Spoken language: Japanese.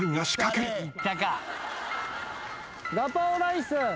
ガパオライス。